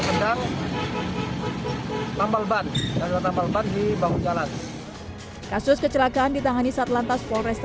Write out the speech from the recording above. menang tampal ban di bangun jalan kasus kecelakaan ditangani sat lantas polres